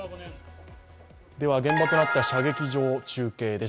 現場となった射撃場から中継です。